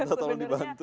minta tolong dibantu